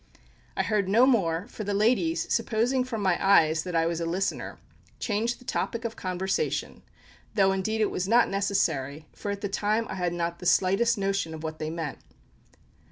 I heard no more, for the ladies, supposing from my eyes that I was a listener, changed the topic of conversation, though indeed it was not necessary, for at the time I had not the slightest notion of what they meant.